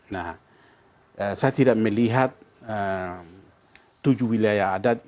nah saya tidak melihat tujuh wilayah adat